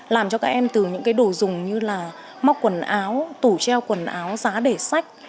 làm cho các em từ những cái đồ dùng như là móc quần áo tủ treo quần áo giá để sách